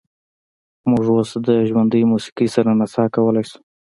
موږ اوس د ژوندۍ موسیقۍ سره نڅا کولی شو